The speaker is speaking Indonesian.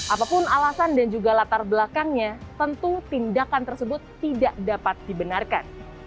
apapun alasan dan juga latar belakangnya tentu tindakan tersebut tidak dapat dibenarkan